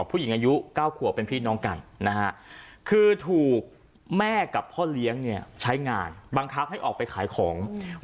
ผู้หญิงอายุ๙ขัวเป็นพี่น้องกัน